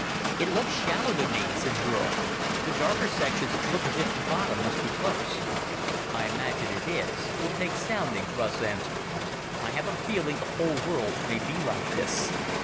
"It looks shallow to me," said Burl. "The darker sections look as if the bottom must be close." "I imagine it is. We'll take soundings," Russ answered. "I have a feeling the whole world may be like this